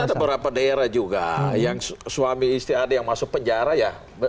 ada beberapa daerah juga yang suami istri ada yang masuk penjara ya